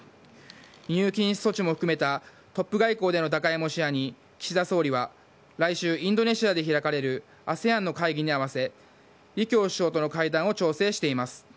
輸入禁止措置も含めたトップ外交での打開も視野に、岸田総理は来週、インドネシアで開かれるＡＳＥＡＮの会議に合わせ、李強首相との会談を調整しています。